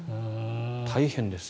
大変です。